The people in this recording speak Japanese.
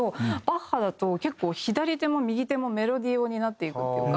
バッハだと結構左手も右手もメロディー用になっていくっていうか。